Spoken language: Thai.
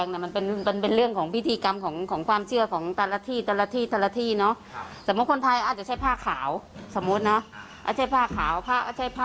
ในหม้อนั้นไม่มีอะไรเลย